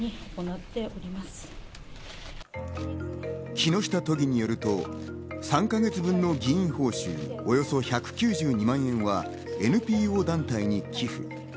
木下都議によると、３か月分の議員報酬およそ１９２万円はＮＰＯ団体に寄付。